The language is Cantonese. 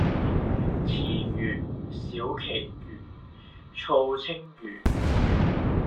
池魚，小鰭魚，醋鯖魚